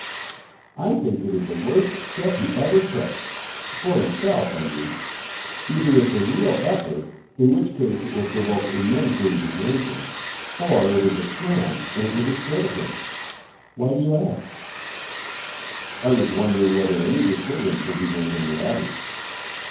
"I think it is the worst step he ever took for himself, I mean. Either it is a real effort, in which case it will provoke immense indignation or it is a sham, and will discredit him. Why do you ask?" "I was wondering whether any disturbance will be made in the abbey."